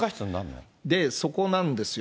そこなんですよ。